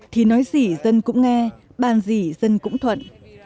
thì nói gì dân cũng nghe bàn gì dân cũng thuận